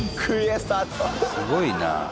すごいな。